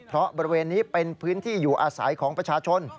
เพราะบริเวณนี้เป็นพื้นที่อยู่อาศัยของประชาชน